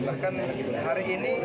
bahkan hari ini